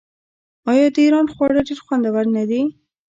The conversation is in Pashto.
آیا د ایران خواړه ډیر خوندور نه دي؟